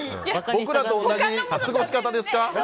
僕らと同じ過ごし方ですか？